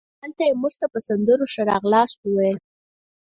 هلته یې مونږ ته په سندرو ښه راغلاست وویل.